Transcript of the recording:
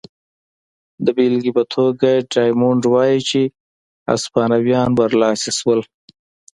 د بېلګې په توګه ډایمونډ وايي چې هسپانویان برلاسي شول.